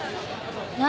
何？